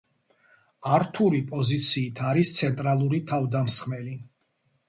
ართური პოზიციით არის ცენტრალური თავდამსხმელი.